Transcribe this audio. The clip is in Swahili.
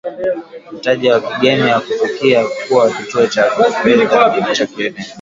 mtaji wa kigeni na kufikia kuwa kituo cha fedha cha kieneo